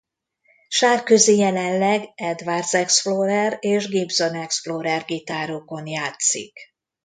Sárközi jelenleg Edwards Explorer és Gibson Explorer gitárokon játszik.